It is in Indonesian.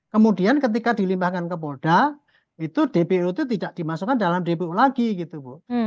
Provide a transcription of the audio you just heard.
kemudian ketika dilimpahkan ke polda itu dpo itu tidak dimasukkan dalam dpo lagi gitu bu